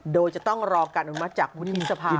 โดยจะต้องรอกันมาจากบุธีสภา